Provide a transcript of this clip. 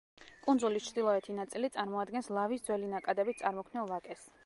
კუნძულის ჩრდილოეთი ნაწილი წარმოადგენს ლავის ძველი ნაკადებით წარმოქმნილ ვაკეს.